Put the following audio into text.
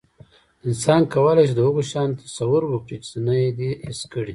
انسان کولی شي، د هغو شیانو تصور وکړي، چې نه یې دي حس کړي.